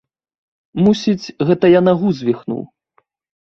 Мусіць, гэта я нагу звіхнуў.